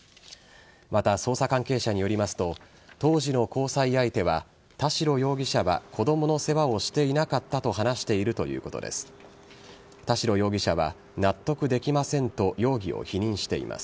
また、捜査関係者によりますと当時の交際相手は田代容疑者は子供の世話をしていなかったと話しているということです。